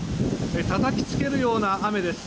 たたきつけるような雨です。